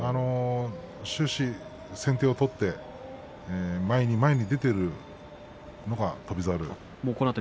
終始、先手を取って前に前、出ているのが翔猿。